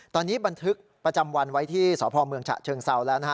ตอนนี้บันทึกประจำวันไว้ที่สพเมืองฉะเชิงเซาแล้วนะฮะ